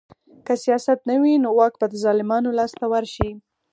که سیاست نه وي نو واک به د ظالمانو لاس ته ورشي